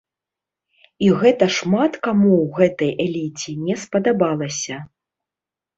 І гэта шмат каму ў гэтай эліце не спадабалася.